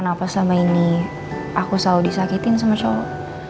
kenapa selama ini aku selalu disakitin sama cowok